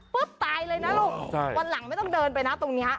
ตายเลยนะลูกวันหลังไม่ต้องเดินไปนะตรงนี้